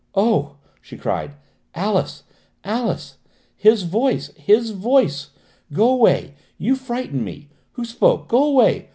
"Oh!" she cried, "Alice! Alice! His voice his voice! Go away! You frighten me! Who spoke? Go away!